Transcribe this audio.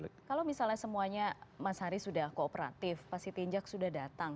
kalau misalnya semuanya mas haris sudah kooperatif pak sitinjak sudah datang